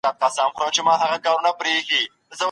د دوی په راتګ خوشحاله سوم .